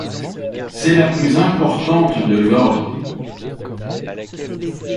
C'est la plus importante de l'ordre.